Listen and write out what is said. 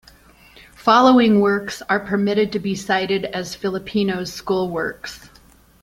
Following works are permitted to be cited as Filippino's schoolworks.